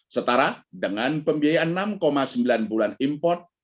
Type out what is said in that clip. setara dengan pembiayaan enam sembilan bulan import